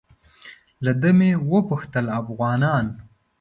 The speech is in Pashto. له ده مې وپوښتل افغانان.